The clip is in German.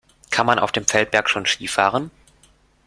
Kann man auf dem Feldberg schon Ski fahren?